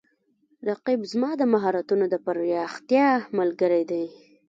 رقیب زما د مهارتونو د پراختیا ملګری دی